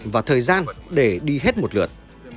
và thời gian để đi hết một lượt